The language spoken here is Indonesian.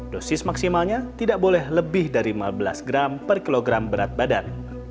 dosis maksimalnya tidak boleh lebih dari lima belas gram per kilogram berat badan